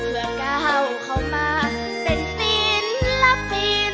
เมื่อก้าวเข้ามาเต้นดินและปิน